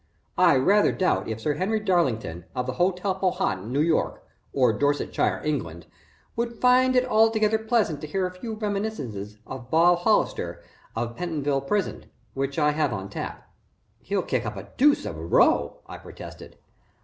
I rather doubt if Sir Henry Darlington, of the Hotel Powhatan, New York, or Dorsetshire, England, would find it altogether pleasant to hear a few reminiscences of Bob Hollister of Pentonville prison, which I have on tap." "He'll kick up the deuce of a row," I protested.